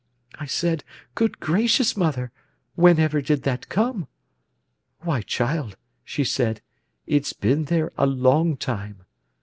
I said: 'Good gracious, mother, whenever did that come?' 'Why, child,' she said, 'it's been there a long time.